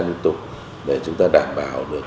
liên tục để chúng ta đảm bảo được